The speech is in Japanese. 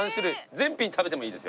全品食べてもいいですよ。